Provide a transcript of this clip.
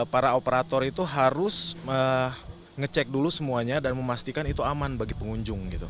para operator itu harus ngecek dulu semuanya dan memastikan itu aman bagi pengunjung